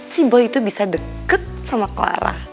si boy itu bisa deket sama clara